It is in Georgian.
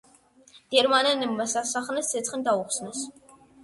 გერმანელებმა სასახლეს ცეცხლი გაუხსნეს.